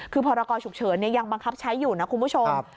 คือพรกรฉุกเฉินยังบังคับใช้อยู่นะคุณผู้ชม